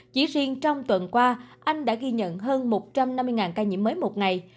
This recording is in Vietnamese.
chỉ riêng trong tuần qua anh đã ghi nhận hơn một trăm năm mươi ca nhiễm mới một ngày